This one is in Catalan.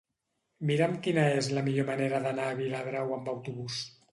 Mira'm quina és la millor manera d'anar a Viladrau amb autobús.